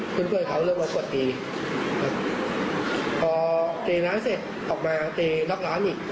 เพื่อนเพื่อนเขาเริ่มมากดตีครับพอตีน้ำเสร็จออกมาตีรับร้านอีก